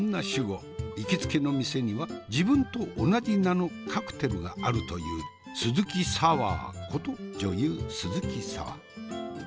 行きつけの店には自分と同じ名のカクテルがあるというスズキサワーこと女優鈴木砂羽。